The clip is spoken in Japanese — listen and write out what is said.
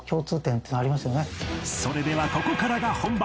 それではここからが本番